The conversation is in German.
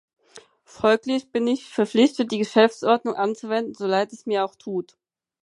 Folglich bin ich verpflichtet, die Geschäftsordnung anzuwenden, so leid es mir auch tut.